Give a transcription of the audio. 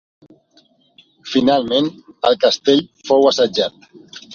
Finalment el castell fou assetjat.